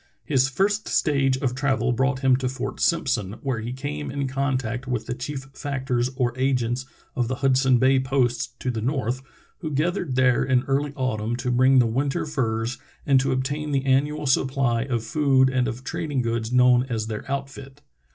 His first stage of travel brought him to Fort Simpson, where he came in contact with the chief factors or agents of the Hudson Bay posts to the north, w^ho gathered there in early autumn to bring the winter furs and to obtain the annual supply of 298 True Tales of Arctic Heroism food and of trading goods known as their outfit.